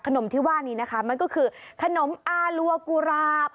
ขนมที่ว่านี้นะคะมันก็คือขนมอารัวกุหลาบ